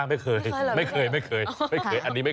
โอ๊ะนี่